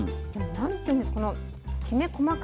何て言うんですか？